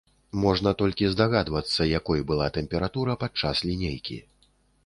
Можна толькі здагадвацца, якой была тэмпература падчас лінейкі.